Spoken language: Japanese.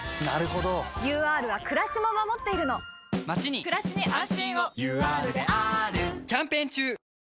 ＵＲはくらしも守っているのまちにくらしに安心をＵＲであーるキャンペーン中！